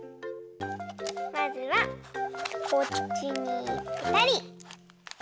まずはこっちにぺたり！